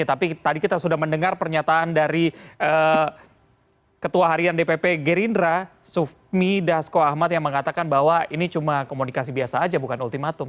tapi tadi kita sudah mendengar pernyataan dari ketua harian dpp gerindra sufmi dasko ahmad yang mengatakan bahwa ini cuma komunikasi biasa aja bukan ultimatum